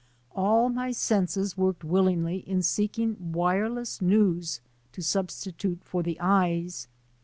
All my senses worked willingly in seeking wire less news to substitute for the eyes.